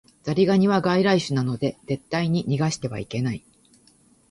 ザリガニは外来種なので絶対に逃してはいけない